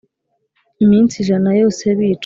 Iminsi ijana yose bicwa,